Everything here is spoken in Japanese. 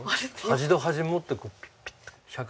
端と端持ってこうピッピッと。